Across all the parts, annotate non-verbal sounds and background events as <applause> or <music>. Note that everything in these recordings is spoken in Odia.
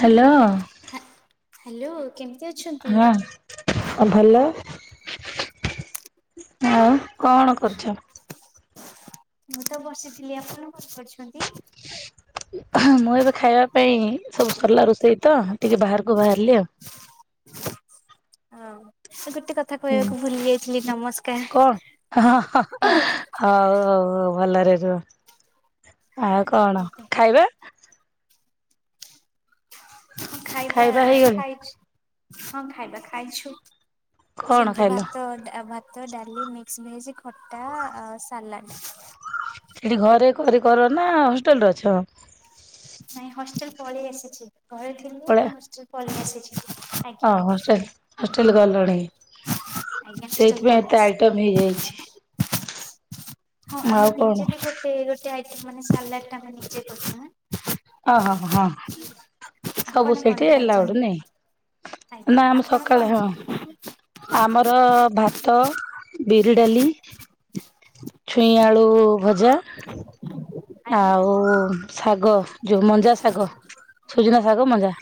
ହ୍ୟାଲୋ। ହ ହ୍ୟାଲୋ। କେମିତି ଅଛନ୍ତି। ହଁ। ହ ଭଲ ହଁ କଣ କରୁଛ। ମୁଁ ତ ବସିଥିଲି ଆପଣ କଣ କରୁଛନ୍ତି। ମୁଁ ଏବେ ଖାଇବା ପାଇଁ ସବୁ ସରିଲା ରୋଷେଇ ତ ଟିକେ ବାହାରକୁ ବାହାରିଲି ଆଉ। ହଁ ତ ଗଟେ କ। ହଁ କଣ ହଉ ହଉ ଭଲରେ। ଆଉ କଣ ହଁ ଖାଇବା। ହଁ ଖାଇବା ଖାଇ ହଁ ଖାଇବା ଖାଇଛୁ। କଣ ସେମିତି ଖାଇଲ? ଭାତ ଭାତ ଡାଲି ମିକ୍ସ ଭେଜ ଖଟା ଆ ସାଲାଡ଼। ସେଠି ଘରେ କରି କର ନା ହଷ୍ଟେଲରେ ଅଛ। ନାଇଁ ହଷ୍ଟେଲ ପଳେଇ ଆସିଛି ଘରେ ଥିଲି ପଳେଇ ଏବେ ହଷ୍ଟେଲ ପଳେଇ ଆସିଛି। ଆଜ୍ଞା। ହଁ ହଷ୍ଟେଲ ହଷ୍ଟେଲ ଗଲଣି ଆଜ୍ଞା ହଷ୍ଟେଲ ସେଇଥିପାଇଁ ପଳେଇ ଏତେ ଆସିଲି। ଆଇଟମ ହେଇଯାଇଛି। ହଁ ଆଉ ଆମେ କଣ? ନିଜେ ବି ଗୋଟେ ଗୋଟେ ଏଇ ମାନେ ସାଲାଡ ଟ ଆମେ ନିଜେ କରିଛୁ ନା। ଓହୋ ହଁ। ଆପଣ ସବୁ କଣ ସେଠି ଆଲାଉଡ୍ ଖାଇଛନ୍ତି? ନେଇ ଆଜ୍ଞା ନା ଆମ ଆପଣ ସକାଳେ କଣ ହଁ। ଆମର ଭାତ ବିରି ଡାଲି। ଛୁଇଁ ଆଳୁ ଭଜା ଆଜ୍ଞା ଆଉ। ଶାଗ ଯୋଉ ମଞ୍ଜା ଶାଗ ସୁଜୁନା ଶାଗ ମଞ୍ଜା।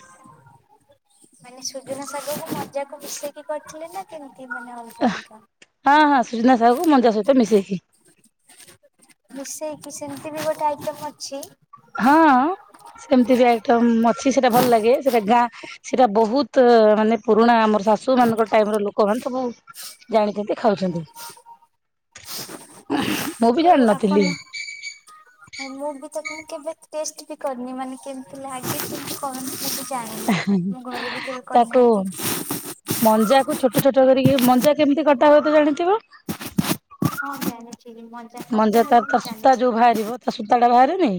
ମାନେ ସୁଜନ ଶାଗକୁ ମଜାକୁ ମିଶେଇକି କରିଥିଲେ ନା କେମିତି ମାନେ ଅଲଗା ଅଲଗା। ହଁ ହଁ ସୁଜନା ସାଗକୁ ମଞ୍ଜା ସହିତ ମିଶେଇକି। ମିଶେଇକି ସେମିତି ବି ଗୋଟେ ଆଇଟମ ଅଛି। ହଁ ସେମିତି ବି ଆଇଟମ ଅଛି ସେଇଟା ଭଲ ଲାଗେ ସେଟା ଗାଁ। ସେଇଟା ବହୁତ ମାନେ ପୁରୁଣା ଆମର ଶାଶୁ ମାନଙ୍କ ଟାଇମ ଲୋକ ମାନେ ସବୁ। ଜାଣିଛନ୍ତି ଖାଉଛନ୍ତି। ମୁଁ ବି ଉ ଜାଣିନଥିଲି ଆପଣ। ହଉ ମୁଁ ବି ତ କେବେ ଟେଷ୍ଟ ବି କରିନି ମାନେ କେମିତି ଲାଗେ କେମତି କହନି। ଜାଣିନି ମୁଁ ଘରେ ବି କେବେ କରିନାହାନ୍ତି। ମଞ୍ଜ କୁ ଛୋଟ ଛୋଟ କରିକି ମଞ୍ଜା କେମିତି କଟା ହୁଏ ତ ଜାଣିଥିବ। ହଁ ଜଣିଛି ମଞ୍ଜା। ମଞ୍ଜା ତାର ତା ସୂତା ଯୋଉ ବାହାରିବ ତା ସୂତା ଟା ବାହାରେନି।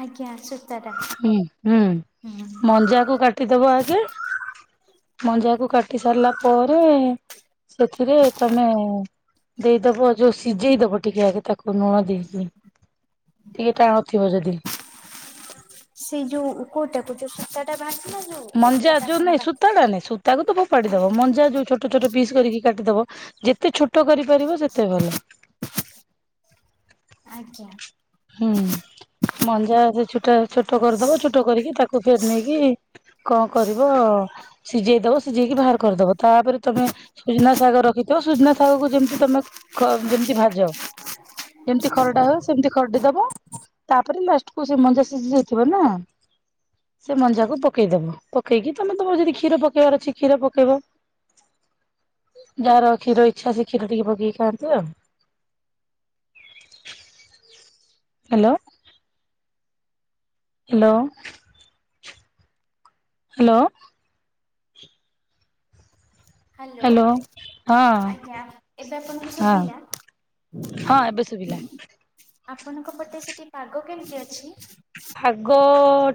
ଆଜ୍ଞା ସୂତାଟା ହଁ ହୁଁ ହୁଁ। ମଞ୍ଜାକୁ କାଟିଦବ ଆଗେ। ମଞ୍ଜା କୁ କାଟି ସାରିଲା ପରେ। ସେଥିରେ ତମେ ଦେଇଦବ ଯୋଉ ସିଝେଇଦବ। ଟିକେ ଆଗେ ତାକୁ ଲୁଣ ଦେଇକି ଟିକେ ଟାଣ ଥିବ ଯଦି। ସେଇ ଯୋଉ କଉଟାକୁ ଯୋଉ ସୂତା ଟା ବାହାରି ଥିଲା ଯୋଉ ମଞ୍ଜା ଟା ଆପଣ କାଟିଲେ। ତାକୁ ତ ଫୋପାଡିଦବ ମଞ୍ଜା ଯୋଉ ଛୋଟ ଛୋଟ ପିସ୍ କରିକି କାଟିଦବ ଯେତେ ଛଟ। ପାରିବ ସେତେ ଭଲ। ଆଜ୍ଞା। ହୁଁ। ମଞ୍ଜା ସେ ଛୋଟା ଛୋଟ କରିଦବଛୋଟ ଟ କରିକି ତାକୁ ଫେର ନେଇକି କଣ କରିବ? ସିଝେଇଦବ। ସିଝେଇକି ବାହାର କରିଦବ। ତାପରେ ତମେ ସୁଜନା ଶାଗ ରଖିଥିବ। ସୁଜନା ଶାଗକୁ ଯେମିତି ତମେ ଖ ଯେମିତି ଭାଜ ଯେମିତି ଖରଡା ହୁଏ ସେମିତି ଖରଡି ଦବ। ତାପରେ ଲାଷ୍ଟ କୁ ସେ ମଞ୍ଜା ସିଜି ଯାଇଥିବ ନା। ସେ ମଞ୍ଜାକୁ ପକେଇଦବ, ପକେଇକି ତମେ ତମର ଯଦି କ୍ଷୀର ପକେଇବାର ଅଛି କ୍ଷୀର ପକେଇବ। ଯାହାର କ୍ଷୀର ଇଚ୍ଛା ସେ କ୍ଷୀର ଟିକେ ପକେଇକି ଖାଆନ୍ତି ଆଉ। ହ୍ୟାଲୋ। ହ୍ୟାଲୋ। ହ୍ୟାଲୋ। ହ୍ୟାଲୋ। ହଁ। ଆଜ୍ଞା ଏବେ ଆପଣଙ୍କୁ ହଁ। ଶୁଭିଲା? ହଁ ଏବେ ଶୁଭିଲା। ଆପଣଙ୍କ ପଟେ ସେଠି ପାଗ କେମିତି ଅଛି? ପାଗ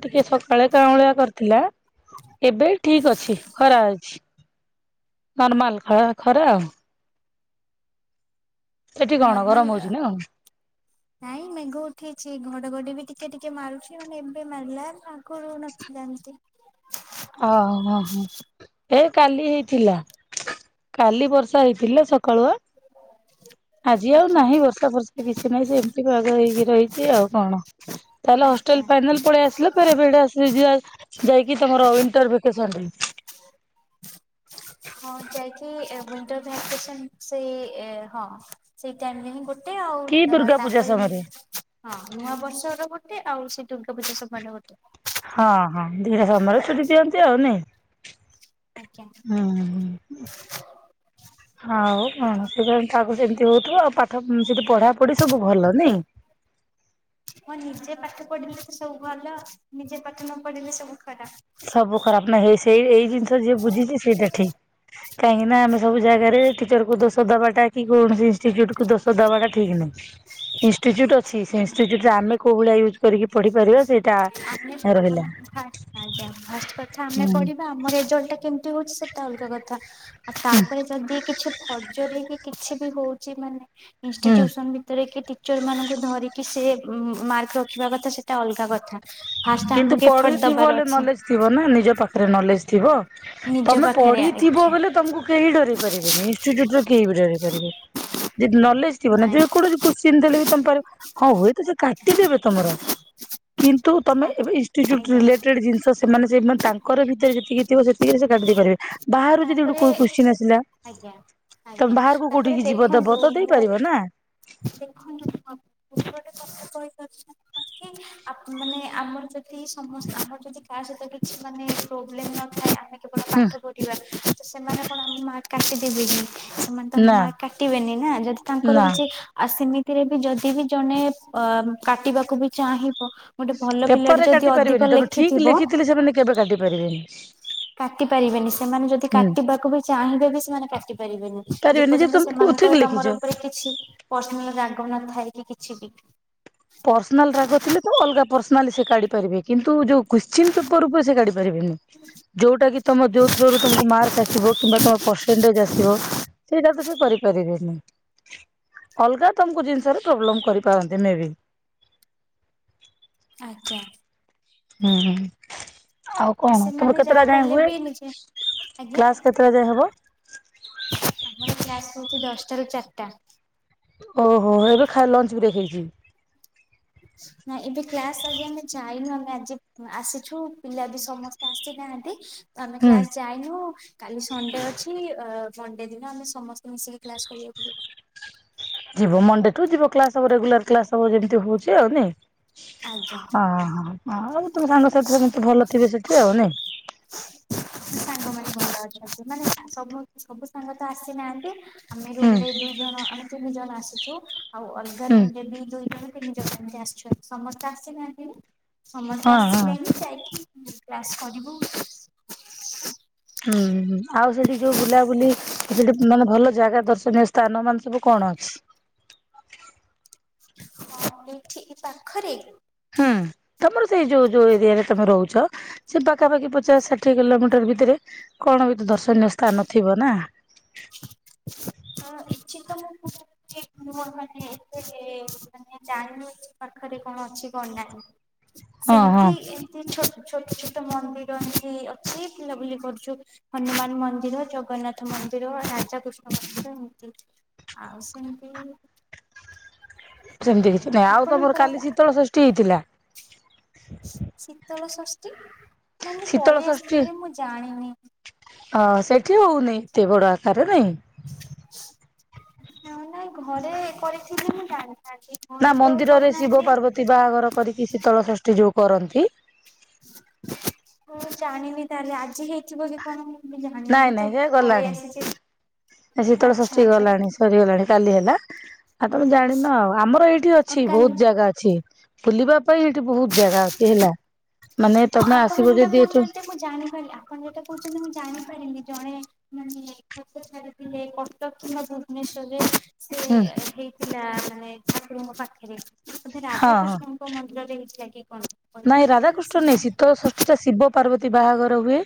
ଟିକେ ସକାଳେ କାଁଉଳିଆ କରିଥିଲା। ଏବେ ଠିକ ଅଛି, ଖରା ଅଛି। ନର୍ମାଲ ଖଳା ଖରା ଆଉ। ସେଠି କଣ ନର୍ମାଲ ଗରମ ଆ ହଉଛି ନା କଣ ନାଇଁ ମେଘ ଉଠେଇଛି। ଘଡଘଡି ବି ଟିକେ ଟିକେ ମାରୁଛି, ମାନେ ଏବେ ମାରିଲା ଆଗରୁ ନଥିଲା ଏମିତି। ଓହ ହୋ। ଏ କାଲି ହେଇଥିଲା, କାଲି ବର୍ଷା ହେଇଥିଲା ସ ଆଜି ଆଉ ଆଜ୍ଞା ନାହିଁ ବର୍ଷା ଫର୍ଷା। କିଛି ନାହିଁ ସେମିତି ପାଗ ହେଇକି ରହିଚି ଆଉ କଣ, ତାହେଲେ ହଷ୍ଟେଲ ଆଜ୍ଞା ଫାଇନାଲ ପଳେଇ ଆସିଲେ ଫେରେ ଏବେ ସେଡୁ ଆସିଲେ ଯିଆ, ଯାଇକି ତମର ଇଣ୍ଟରଭେକେସନରେ। ହଁ ଯାଇକି ଇଣ୍ଟରଭାକେସନ ସେଇ ହଁ। ସେଇ ଟାଇମ୍ ରେ ହିଁ ଗୋ ଆଉ କି ତା ଦୁର୍ଗା ପୂଜା ତାପରେ ନି ସମୟରେ ହଁ। ନୂଆ ବର୍ଷର ଗୋଟେ ଆଉ ସେ ଦୁର୍ଗା ପଜା ସମୟର ଗୋଟେ। ହଁ ହଁ। ଦି ଟା ସମୟରେ ଛୁଟି ଦିଅନ୍ତି ଆଉ ନାଇ। ଆଜ୍ଞା ହୁଁ ହୁଁ। ଆଉ କଣ? ସେ ଯେମିତି ତାକୁ ସେମିତି ହଉଥିବ ଆଉ, ପା ସେଠି ପଢାପଢି ସବୁ ଭଲ ନାଇଁ। ହଁ ନିଜେ ପାଠ ପଢିଲେ ତ ସବୁ ଭଲ, ନିଜେ ପାଠ ନ ପଢିଲେ ସବୁ ଖରାପ। ସବୁ ଖରାପ ନା ହେଇ ସେଇ ଏଇ ଜିନିଷ ଯିଏ ବୁଝିଛି ସେଇଟା ଠିକ୍। କାହିଁକି ନା ଆମେ ସବୁ ଜାଗାରେ ଟି ଟିଚର କୁ ଦୋଷ ଦବାଟା କି କୌଣସି ଇନଷ୍ଟିଚ୍ୟୁଟ କୁ ଦୋଷ ଦବାଟା ଠିକ ନାହିଁ। ଇନଷ୍ଟିଚ୍ୟୁଟ ଅ ଅଛି। ସେ ଇନଷ୍ଟିଚ୍ୟୁଟ୍ ଆମେ କୋଉ ଭଳିଆ ୟୁଜ୍ କରିକି ପଢିପାରିବା ସେଇଟା ଆମେ ରହିଲା। ଫାଷ୍ଟ ଆଜ୍ଞା। ଫାଷ୍ଟ କଥା ଆମେ ହୁଁ ପଢିବା ଆମ ରେଜଲ୍ଟ ଟା କେମିତି ହଉଚି ସେଟା ଅଲଗା କଥା ଆ ହୁଁ ତାପରେ ଯଦି କିଛି ଫର୍ଜରି କି କିଛି ବି ହଉଚି ମାନେ ହୁଁ ଇନଷ୍ଟିଚ୍ୟୁସନ ଭିତରେ କି ଟିଚର ମାନଙ୍କୁ ଧରିକି ସେ ମ ମାର୍କ ରଖିବା କଥା ତ ସେଟା ଅଲଗା କଥା। ଫାଷ୍ଟ କିନ୍ତୁ ଆମକୁ ଏଫର୍ଟ ପଢିଥିବ ଦବାର ହେଲେ ଅଛି ନଲେଜ ଥିବ ନା, ନିଜ ପାଖରେ ନଲେଜ ଥିବ। ନିଜ ତମେ ପାଖରେ ପଢିଥିବ ଆଜ୍ଞା। ବୋଲେ ତମକୁ କେହି ଡରେଇ ପାରିବେନି, ଇନଷ୍ଟିଚ୍ୟୁଟ୍ ରୁ କେହିବି ଡରେଇ ପାରିବେ ଯଦି ନଲେଜ ଥିବ ନା ନାଇଁ ଯେକୌଣସି କୋଚସିନ୍ ଦେଲେ ବି ତମେ ପାରିବ, ହଁ ହୁଏ ତ ସେ କାଟିଦେବେ ତମର। କିନ୍ତୁ ତମେ ଏବେ ଇନଷ୍ଟିଚ୍ୟୁଟ ଆଜ୍ଞା ରିଲେଟେଡ୍ ଜିନିଷ ସେମାନେ ସେ ମା ତାଙ୍କ ଙ୍କର ଭିତରେ ଯେତିକି ଥିବ ସେତିକିରେ ସେ କାଟିଦେଇ ପାରିବେ, ବାହାରୁ ଯଦି ଗୋଟେ ତାପରେ କୋଉ କୋଶ୍ଚିନ୍ ଆସିଲା ଆଜ୍ଞା। ତମେ ଆଜ୍ଞା ବାହାରକୁ ତାପରେ କୋଉଠିକି ଯିବ ଦେଖନ୍ତୁ ଦବ, ତ ମୁଁ ଦେଇପାରିବ ନା। ଦେଖନ୍ତୁ ମ୍ୟାଡାମ ଗୋଟେ ଗୋଟେ କଥା କହିପାରୁଚ ମାନେ ଆପ ଆମର ଯଦି ସମସ୍ତେ ଆମର ଯଦି କାହା ସହିତ କି ମାନେ ପ୍ରୋବ୍ଲେମ ନଥାଏ ଆମେ କେବଳ ହୁଁ। ପାଠ ତ ସେମାନେ କଣ ଆମ ମାର୍କ କାଟିଦେବେ କି? ସେମାନେ ତ ଆମ ନା ମାର୍କ କାଟିବେନି ନା ଯଦି ତାଙ୍କର ନା କିଛି ଆଉ ସିମିତିରେ ବି ଯଦି ବି ଜଣେ ଅ କାଟିବାକୁ ବି ଚାହିଁବ ଗୋଟେ ଭଲ ପିଲାଟି ପେପରରେ କାଟି ଯଦି ପାରିବେନି ଅଧିକ ତମେ ଠିକ ଲେଖିଥିବ ଲେଖିଥିଲେ ସେମାନେ କେବେ କାଟି ପାରିବେନି କାଟି ପାରିବେନି ସେମାନେ ଯଦି ହୁଁ କାଟିବାକୁ ବି ଚାହିଁବେ ବି ସେମାନେ କାଟି ପାରିବେନି? ଯେ ପାରିବେନି ପର୍ଯ୍ୟନ୍ତ ତମେ କୋଉ ସେମାନଙ୍କ ଠିକ ଲେଖିଛ। ତମର ଉପରେ କିଛି ପର୍ସନାଲ ରାଗ ନଥାଇକି କିଛି ବି? ପର୍ସନାଲ ରାଗ ଥିଲେ ତ ଅଲଗା ପର୍ସନାଲି ସେ କାଢି ପାରିବେ କିନ୍ତୁ ଯୋଉ କୋଶ୍ଚିନ୍ ପେପର ଉପରେ କାଢି ପାରିବେନି? ଯୋଉଟା କି ତମ ଯୋଉଥରେ ମାର୍କ ଆସିବ କିମ୍ବା ତମର ପରସେଣ୍ଟେଜ ଆସିବ? ସେଇଟାକୁ ସେ କରିବ? ବି ଅଲଗା ତମକୁ ଜିନିଷ ପ୍ରବ୍ଲେମ୍ କରିପାରନ୍ତି ମେ ବି ଆଜ୍ଞା। ହୁଁ ହୁଁ। ଆଉ ହଁ କଣ ତମେ ସେମାନେ କେତେଟା ଯାହା ଯାଏ କଲେ ହୁଏ ବି ନିଜେ ଆଜ୍ଞା କ୍ଲାସ୍ କେତେଟା ଯାଏ ହବ? ଆମର କ୍ଲାସ୍ ସଉଛି ଦଶଟା ରୁ ଚାରିଟା। ଓହୋ ଏବେ ଖାଇବା ଲଞ୍ଚ ବ୍ରେକ୍ ହେଇଛି? ନା ଏବେ କ୍ଲାସ୍ ଆଜି ଆମେ ଯାଇନୁ ଆମେ ଆଜି ଆସିଛୁ ପିଲା ବି ସମସ୍ତେ? ଆସି ନାହାନ୍ତି ଆମେ ହୁଁ। କ୍ଲାସ୍ ଯାଇନୁ? କାଲି ସଣ୍ଡେ ଅଛି ମଣ୍ଡେ ଦିନ ଆମେ ସମସ୍ତେ ମିଶିକି କ୍ଲାସ କରିବାକୁ ଯିବୁ? ଯିବ ମଣ୍ଡେଠୁ ଯିବ କ୍ଲାସ ହବ ରେଗୁଲାର କ୍ଳାସ ହବ ଯେମିତି ହଉଛି ଆଉ ନାଇଁ? ଆଜ୍ଞା ଅ ହ ଆଉ ତମ ସାଙ୍ଗସାଥି ସମସ୍ତେ ଭଲ ଥିବେ ସେଠି ଆଉ ନାଇ? ସାଙ୍ଗମାନେ ଭଲ ଅଛନ୍ତି ମାନେ ସବୁ ସବୁ ସାଙ୍ଗ ତ ଆସିନାହାନ୍ତି? ଆମେ ହୁଁ ରୁମ୍ ରେ ଦୁଇ ଜଣ ଆମେ ତିନି ଜଣ ଆସିଛୁ ଆଉ ଅଲଗା ହୁଁ ରୁମ୍ ରେ ବି ଦୁଇ ଜଣ ତିନି ଜଣ ଏମିତି ଆସିଛନ୍ତି ସମସ୍ତେ ଆସିନାହାନ୍ତି ସମସ୍ତେ ହଁ ହଁ ଆସିଲେ ଯାଇକି କ୍ଲାସ୍ କରିବୁ? ହୁଁ ଆଉ ସେଠି ଯୋଉ ବୁଲାବୁଲି ସେଠି ମାନେ ଭଲ ଜଗା ଦର୍ଶ ସ୍ଥାନ ମାନ ସବୁ କଣ ଅଛି? ହଁ ଏଠି ପାଖରେ ହୁଁ ତମର ସେଇ ଯୋଉ ଯୋଉ ଏରିଆରେ ତମେ ରହୁଛ? ସେ ପାଖାପାଖି ପଚାଶ ଷାଠିଏ କିଲୋମିଟର ଭିତରେ କଣ ବି ତ ଦର୍ଶନୀୟ ସ୍ଥାନ ଥିବ ନା? ହଁ ଇଛି ତମ କୁହ? ଠିକ୍ ମୁ ମାନେ ଏତେ ମାନେ ଜାଣିଲୁ ପାଖରେ କଣ ଅଛି କଣ ନାହିଁ? ହଁ ସେମିତି ହଁ। ଏମିତି ଛୋଟ ଛୋଟ ମନ୍ଦିର ଏମତି ଅଛି ବୁଲାବୁଲି କରୁଛୁ? ହନୁମାନ ମନ୍ଦିର ଜଗନ୍ନାଥ ମନ୍ଦିର ରାଧାକୃଷ୍ଣ ମ ସେ ଆଉ ସେମିତି ସେମିତି କିଛି ନାଇଁ ଆଉ ତମର ଆପଣଙ୍କର କାଲି ଶୀତଳ ଷଷ୍ଠୀ ହେଇଥିଲା? ଶୀତଳ ଷଷ୍ଠୀ ନାଇଁ ମୁଁ ଶୀତଳ ପଳେଇ ଷଷ୍ଠୀ ଆସିଥିଲି ମୁଁ ଜାଣିନି? ହଁ ସେଠି ହଉନି ଏତେ ବଡ ଆକାରରେ? ନାଇଁ ନାଇଁ ଘରେ କରିଥିଲି ମୁ ଜାଣିଥାନ୍ତି? ନା ଘରେ ତ ମନ୍ଦିରରେ ଶିବ କରିନାହାନ୍ତି। ପାର୍ବତୀ ବାହାଘର କରିକି ଶୀତଳ ଷଷ୍ଠୀ ଯୋଉ କରନ୍ତି? ମୁଁ ଜାଣିନି ତାହେଲେ ଆଜି ହେଇ ହେଇଥିବ କି କଣ ମୁ ବି ଜାଣିନି ନାଇଁ ମୁଁ ନାଇଁ ତ ସେ ପଳେଇ ଗଲାଣି ଆସିଛି ଶୀତଳ ଷଷ୍ଠୀ ଆଚ୍ଛା ଆଚ୍ଛା ଗଲାଣି ସରିଗଲାଣି କାଲି ହେଲା ଆଉ ତମେ ଜାଣିନ ଆମର ଏଇଠି ଆଉ ଅଛି ବହୁତ କାଲି ଜାଗା ଅଛି। ବୁଲିବା ପାଇଁ ଏଠି ବହୁତ ଜାଗା ଅଛି ହେଲା ମାନେ ହଁ ତମେ ଆପଣ ଆସିବ ଯୋଉଟା ଯଦି ଏଠୁ। କହୁଛନ୍ତି ମୁଁ ଜାଣିପାରିଲି ଆପଣ ଯେଟା କହୁଛନ୍ତି ମୁଁ ଜାଣିପାରିଲି ଜଣେ ମାନେ ଫଟୋ ଛାଡିଥିଲେ କଟକ କିମ୍ବା ଭୁବନେଶ୍ୱରରେ ସେ ହୁଁ ହେଇଥିଲା ମାନେ ଠାକୁରଙ୍କ ପାଖରେ ବୋଧେ ହଁ ହଁ ରାଧାକୃଷ୍ଣ କଉ ମନ୍ଦିରରେ ହେଇଥିଲା କି କଣ କହିପାରିବେ? ସେ ଶୀତ ନାଇଁ ଶୀତଳ ଷଷ୍ଠୀ ଟା ଶିବ ପାର୍ବତୀ ବାହାଘର ହୁଏ।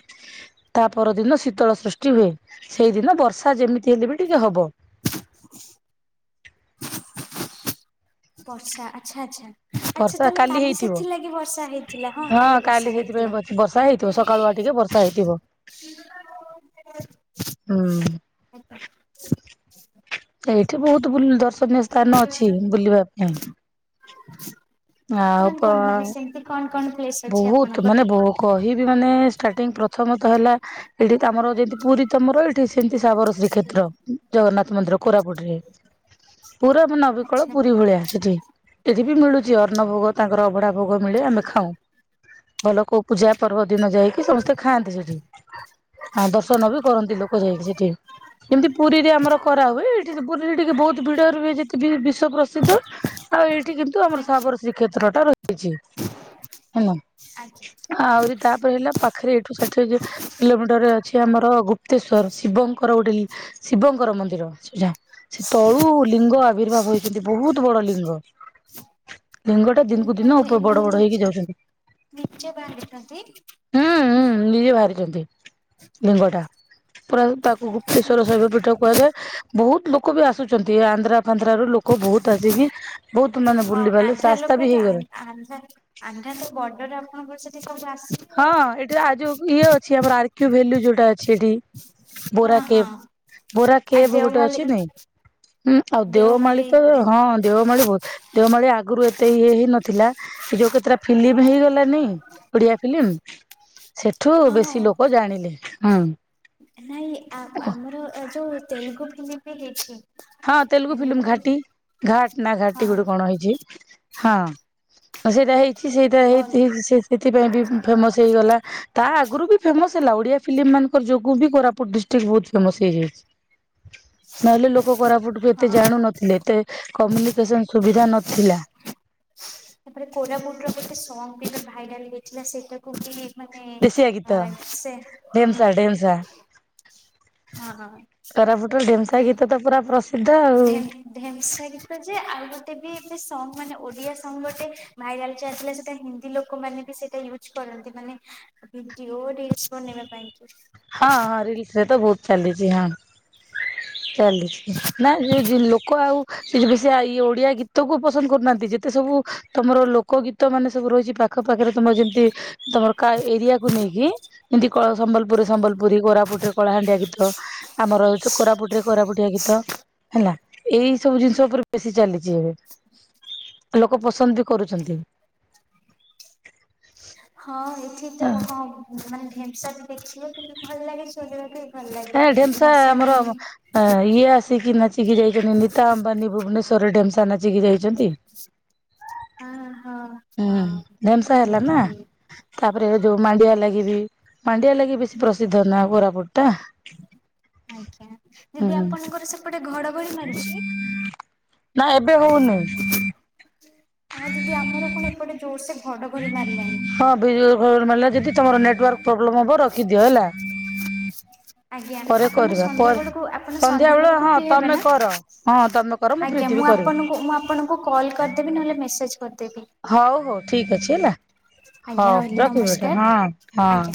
ତା ପରଦିନ ଶୀତଳ ସୃଷ୍ଟି ହୁଏ ସେଇଦିନ ବର୍ଷା ଯେମିତି ହେଲେ ବି ଟିକେ ହବ। <unintelligible> ବର୍ଷା ଆଚ୍ଛା ଆଚ୍ଛା ଆଚ୍ଛା ବର୍ଷା ତାହେଲେ କାଲି ହେଇଥିବ। ସେଥିଲାଗି ବର୍ଷା ହେଇଥିଲା ହଁ କାଲି ବର୍ଷା ସେଇଥିପାଇଁ ହେଇଥିଲା। ବର୍ଷା ହେଇଥିବ ସକାଳୁଆ ଟିକେ ବର୍ଷା ହେଇଥିବ। <unintelligible> ହୁଁ। <unintelligible> ଏଇଠି ବହୁତ ବୁ ଦର୍ଶନୀୟ ସ୍ଥାନ ଅଛି ବୁଲିବା ପାଇଁ। ଆଉ ପ କଣ କଣ ମାନେ ସେମିତି କଣ କଣ ପ୍ଲେସ ଅଛି ବହୁତ ମାନେ ଆପଣଙ୍କର? ବୋ କହିବି ମାନେ ଷ୍ଟାର୍ଟିଂ ପ୍ରଥମ ତ ହେଲା ଏଠି ତମର ଯେମତି ପୁରୀ ତମର ସେମିତି ସାବର ଶ୍ରୀ କ୍ଷେତ୍ର ଜଗନ୍ନାଥ ମନ୍ଦିର କୋରାପୁଟ ରେ ପୁରା ମାନ ବିକଳ ଆଚ୍ଛା ପୁରୀ ହଁ ଭଳିଆ ସେଠି ଏଠି ବି ମିଳୁଛି ଅର୍ନ ଭୋଗ ତାଙ୍କର ଅଭଡା ଭୋଗ ମିଳେ ଆମେ ଖାଉ। ଭଲ କୋଉ ପୂଜା ପର୍ବ ଦିନ ଯାଇକି ସମସ୍ତେ ଖାଆନ୍ତି ସେଠି। ହଁ ଦର୍ଶନ ବି କରନ୍ତି ଲୋକ ଯାଇକି ସେଠି। ଏମିତି ପୁରୀରେ ଆମର କରା ହୁଏ ଏଠି ପୁରୀରେ ଟିକେ ବହୁତ ଭିଡ ରୁଏ ଯେତେବି ବିଶ୍ବ ପ୍ରସିଦ୍ଧ। ଆଉ ଏଇଠି କିନ୍ତୁ ଆମର ଆଜ୍ଞା ସାବର ଶ୍ରୀକ୍ଷେତ୍ର ଟା ରହିଛି ହେଲା। ଆହୁରି ଆଜ୍ଞା। ତାପରେ ହେଲା ପାଖରେ ଏଠୁ ଷାଠିଏ କିଲୋମିଟର ଅଛି ଆମର ଗୁପ୍ତେଶ୍ଵର ଶିବଙ୍କର ଗୋଟେ ଶିବଙ୍କର ମନ୍ଦିର ସେଟା। ସେ ତଳୁ ଲିଙ୍ଗ ଆବିର୍ଭାବ ହେଇଛନ୍ତି ବହୁତ ବଡ ଲିଙ୍ଗ। ଲିଙ୍ଗ ଟା ଦିନକୁ ଦିନ ବଡ ବଡ ହେଇକି ଯାଉଛନ୍ତି। ନିଚେ ବାନ୍ଧିଛନ୍ତି। ହୁଁ ହୁଁ ନିଜେ ବାହାରିଛନ୍ତି ଲିଙ୍ଗ ଟା। ପୁରା ତାକୁ ଗୁପ୍ତେଶ୍ୱର ଶୈବ ପୀଠ କୁହାଯାଏ ବହୁତ ଲୋକ ବି ଆସୁଛନ୍ତି ଆନ୍ଧ୍ରା ଆନ୍ଧ୍ରରୁ ଲୋକ ବହୁତ ଆସିକି ବହୁତ ମାନେ ବୁଲି ବାଲି ରାସ୍ତା ବି ହେଇଗଲାଣି। ଆ <unintelligible> ଆନ୍ଧ୍ରରୁ ତ ବର୍ଡର ଆପଣଙ୍କର ଯଦି ସବୁ ଆସ ହଁ ଏଠି ଆ ଯଉ ଇଏ ଅଛି ଆମର ଆରକ୍ୟୁ ଭେଲୁ ଯୋଉଟା ଅଛି ଏଠି। ବୋରା ହଁ କେଭ ହଁ ବୋରା ଆଉ କେଭ ଗୋଟେ ଦେଓମାଲି ଅଛି ନାଇଁ ହୁଁ ଆଉ ଦେଓମାଳି ଦେଓମାଲି ତ ହଁ ଦେଓମାଳି ବହୁତ ଦେଓମାଳି ଆଗରୁ ଏତେ ଇଏ ହେଇ ନଥିଲା କି ଯୋଉ କେତେଟା ଫିଲ୍ମ ହେଇଗଲାନି ଓଡିଆ ଫିଲ୍ମ ସେଠୁ ହଁ ବେଶୀ ଲୋକ ଜାଣିଲେ ହୁଁ ମୋର ଏ ଯୋଉ ତେଲୁଗୁ ଫିଲ୍ମିମ୍ ବି ହେଇଛି। ହଁ ତେଲୁଗୁ ଫିଲ୍ମ ଘାଟି ଘାଟ ନା ଘାଟି ହଁ ଗୋଟେ କଣ ହେଇଛି। ହଁ ସେଇଟା ହେଇଛି ସେଇଟା ଅଲ୍ ହେଇଛି ସେ ସେଥିପାଇଁ ବି ଫେମସ ହେଇଗଲା ତା ଆଗରୁ ବି ଫେମସ ହେଲା ଓଡିଆ ଫିଲ୍ମ ମାନଙ୍କର ଯୋଗୁଁ ବି କୋରାପୁଟ ଡି ଫେମସ ହେଇଯାଇଛି ନହେଲେ ଲୋକ କୋରାପୁଟୁ ହଁ ଏତେ ଜାଣୁ ନ ଏତେ କମ୍ୟୁନିକେସନ ସୁବିଧା ନଥିଲା। ତାପରେ କୋରାପୁଟ ର ଗୋଟେ ସଙ୍ଗ ବି ଭାଇରାଲ ହେଇଥିଲା ସେଇଟାକୁ ବି <unintelligible> ଦେଶିଆ ଆ ଗୀତ ସେ ହଁ ଢେମ୍ସା ଢେମ୍ସଶା ହଁ କୋରାପୁଟର ଢେମ୍ସା ଗୀତ ତ ପୁରା ପ୍ରସିଦ୍ଧ ଆଉ। ଢେନ୍ସ ଗୀତ ଯେ ଆଉ ଗୋଟେ ବି ଏ ସଙ୍ଗ ମାନେ ଓଡିଆ ସଙ୍ଗ ଗୋଟେ ଭାଇରାଲ ଚାଲିଥିଲା ସେଟା ହିନ୍ଦୀ ଲୋକ ଲୋକମାନୋନ ବି ସେଇଟା ୟୁଜ କରନ୍ତି ମାନେ ଭିଡିଓ ରିଲସ ବନେଇବା ପାଇଁ। ହଁ ହଁ ରିଲସ ରେ ତ ବହୁତ ଚାଲିଛି ହଁ ଚାଲିଛି ନା ଯ ଲୋକ ଆଉ ବେଶୀ ଇ ଓଡିଆ ଗୀତ କ ପସନ୍ଦ କରୁନାହାନ୍ତି ଯେତେ ସବୁ ତମର ଲୋକ ଗୀତ ମାନେ ସବୁ ରହିଛି ପାଖ ପାାଖରେ ତମର ଯେମିତି ତମର କା ଏରିଆକୁୁ ନେଇକି ଏମିତି କ ସମ୍ବଲ ପୁରୀ ସମ୍ବଲପୁରୀ କୋରାପୁଟରେ କଳାହାଣ୍ଡିଆ ଗୀତ ଆମରଉ କୋରାପୁଟରେ କୋରାପୁଟିଆ ଗୀତ ହେଲା ଏଇ ସବୁ ଜିନିଷ ଉପରେ ବେଶୀ ଚାଲିଛି ଏବେ। ଲୋକ ପସନ୍ଦ ବି କରୁଛନ୍ତି। ହଁ ଏଠି ତ ହଁ ମାନେ ଢେମ୍ସ ବି ଦେଖିବାକୁ କୁ ଭଲ ଲାଗେ ଶୁଣିବା ପାଇଁ। ହେ ଢେମ୍ସା ଆମର ହଁ ଇଏ ଆସିକି ନାଚିକି ଯାଇଛନ୍ତି ନୀତା ଅମ୍ବାନୀ ଭୁବନେଶ୍ୱର ଢେମ୍ସା ନାଚିକି ଯାଇଛନ୍ତି। ହଁ ହଁ ହୁଁ ହଁ ଢେମସା ହେଲା ନା ଦେଖିଥିଲି। ତାପରେ ଯୋଉ ମାଣ୍ଡିଆ ଲାଗି ବି ମାଣ୍ଡିଆ ଲାଗି ବେଶୀ ପ୍ରସିଦ୍ଧ ନା କୋରାପୁଟ ଟା। ଆଜ୍ଞା ହୁଁ ଯଦି ଆପଣଙ୍କର ସେପଟେ ଘଡଘଡି ମାରୁଛି ନା ଏବେ ହଉନି। ଆ ଦିଦି ଆମର କଣ ଏପଟେ ଜୋରସେ ଘଡ଼ଘଡ଼ି ମାରିଲାଣି। ହଁ ବିଜୁଳିଘଡ ଘଡି ମରିଲାଣି ଯଦି ତମର ନେଟୱାର୍କ ପ୍ରୋବ୍ଲେମ୍ ହବ ରଖିଦିଅ ହେଲା। <inaudible> ଆଜ୍ଞା ପରେ ଆପଣ କରିବା ସନ୍ଧ୍ୟା ପରେ ବେଳକୁ ଆପଣ ସନ୍ଧ୍ୟା ବେଳେ ବେଳକୁ ହଁ ଫ୍ରି ହେବେ ତମେ ନା? କର ହଁ ତମେ କର ଫ୍ରି ଆଜ୍ଞା ଥିବି ମୁଁ କରିବି ଆପଣଙ୍କୁ ମୁଁ ଆପଣଙ୍କୁ କଲ୍ କରିଦେବି ନହେଲେ ମେସେଜ କରିଦେବି। ହଉ ହଉ ଠିକ ଅଛି ହେଲା ଆଜ୍ଞା ହଉ ରହିଲି ରଖିବି ନମସ୍କାର ହଁ ହଁ। ଆଜ୍ଞା।